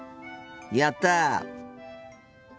やった！